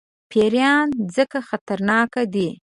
پیران ځکه خطرناک دي.